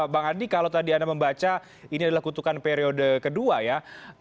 bang adi kalau tadi anda membaca ini adalah kutukan periode kedua ya